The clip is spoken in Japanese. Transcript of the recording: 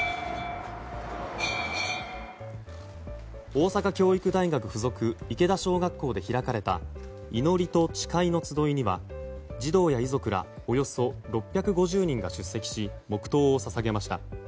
大阪教育大学附属池田小学校で開かれた祈りと誓いの集いには児童や遺族らおよそ６５０人が出席し黙祷を捧げました。